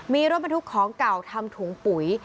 มีรถบรรทุกของเก่าทำถุงปุ๋ย